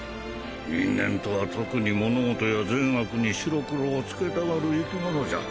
人間とは特に物事や善悪に白黒をつけたがる生き物じゃ。